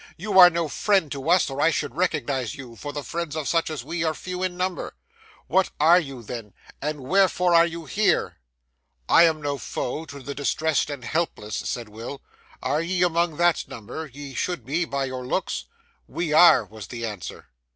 You are no friend to us, or I should recognise you, for the friends of such as we are few in number. What are you then, and wherefore are you here?' 'I am no foe to the distressed and helpless,' said Will. 'Are ye among that number? ye should be by your looks.' 'We are!' was the answer.